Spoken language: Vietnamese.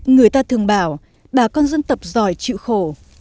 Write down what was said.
người ta thường bảo bà con dân tộc giỏi chịu khổ